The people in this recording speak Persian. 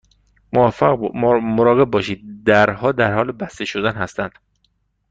مراقب باشید، درها در حال بسته شدن هستند.